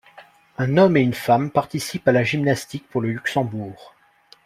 Un homme et une femme participent à la gymnastique pour le Luxembourg.